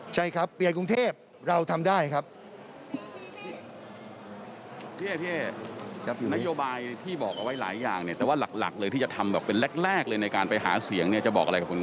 ใช่ครับเปลี่ยนกรุงเทพเราทำได้ครับ